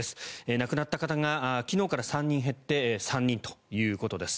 亡くなった方が昨日から３人減って３人ということです。